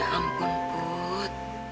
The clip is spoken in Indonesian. ya ampun put